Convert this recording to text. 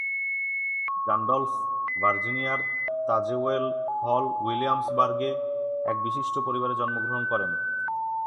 Randolph ভার্জিনিয়ার তাজেওয়েল হল উইলিয়ামসবার্গে এক বিশিষ্ট পরিবারে জন্মগ্রহণ করেন।